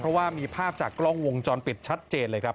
เพราะว่ามีภาพจากกล้องวงจรปิดชัดเจนเลยครับ